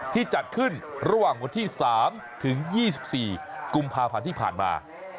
จัดขึ้นระหว่างวันที่๓ถึง๒๔กุมภาพันธ์ที่ผ่านมา